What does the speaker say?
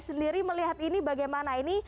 sendiri melihat ini bagaimana ini